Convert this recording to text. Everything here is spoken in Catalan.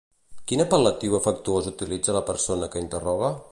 Quin apel·latiu afectuós utilitza la persona que interroga?